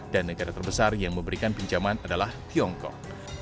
dan negara terbesar yang memberikan pinjaman adalah tiongkok